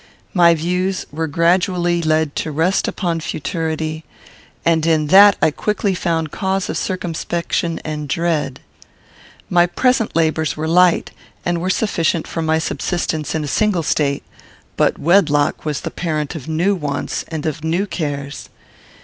My views were gradually led to rest upon futurity, and in that I quickly found cause of circumspection and dread. My present labours were light, and were sufficient for my subsistence in a single state; but wedlock was the parent of new wants and of new cares.